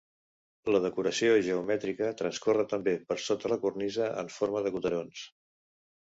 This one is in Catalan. La decoració geomètrica transcorre també per sota la cornisa en forma de goterons.